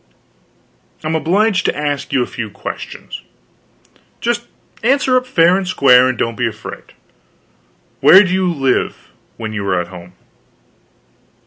I'm obliged to ask you a few questions; just answer up fair and square, and don't be afraid. Where do you live, when you are at home?"